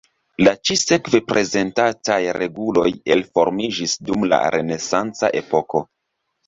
La ĉi-sekve prezentataj reguloj elformiĝis dum la renesanca epoko.